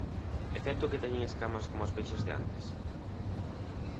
¿É certo que teñen escamas coma os peixes de antes?